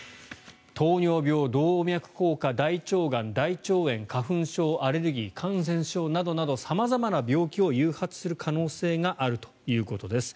糖尿病、動脈硬化、大腸がん大腸炎花粉症、アレルギー感染症などなど様々な病気を誘発する可能性があるということです。